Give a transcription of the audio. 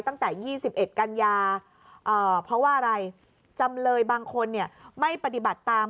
ตั้งแต่๒๑กันยาเพราะว่าอะไรจำเลยบางคนเนี่ยไม่ปฏิบัติตาม